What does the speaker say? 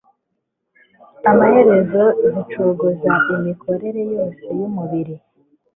amaherezo zicogoza imikorere yose yumubiri